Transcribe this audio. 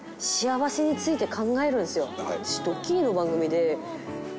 私ドッキリの番組で。